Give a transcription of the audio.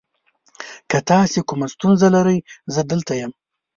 که تاسو کومه ستونزه لرئ، زه دلته یم.